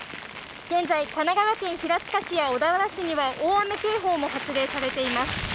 現在、神奈川県平塚市や小田原市には大雨警報も発令されています。